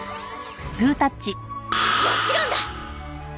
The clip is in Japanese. もちろんだ！